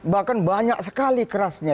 bahkan banyak sekali kerasnya